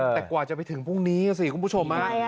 แต่กว่าจะไปถึงพรุ่งนี้สิคุณผู้ชม